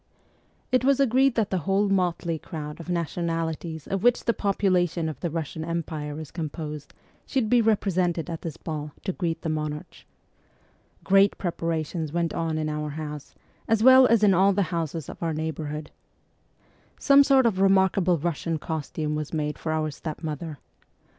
It was agreed that the whole motley crowd of nationalities of which the population of the Russian Empire is composed should be represented at this ball to greet the monarch. Great preparations went on in our house, as well as in all the houses of our neighbourhood. CHILDHOOD 27 Some sort of remarkable Russian costume was made for our stepmother.